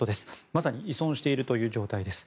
まさに依存しているという状況です。